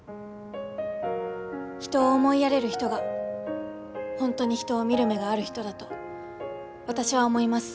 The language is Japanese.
人を思いやれる人が本当に人を見る目がある人だと私は思います。